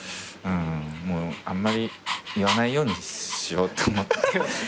もうあんまり言わないようにしようと思って。